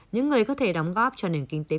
những người có thể đóng góp cho nền kinh tế